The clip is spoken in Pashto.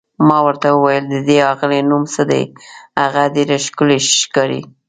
ما ورته وویل: د دې اغلې نوم څه دی، هغه ډېره ښکلې ښکاري؟